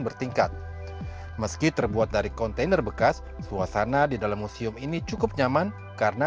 bertingkat meski terbuat dari kontainer bekas suasana di dalam museum ini cukup nyaman karena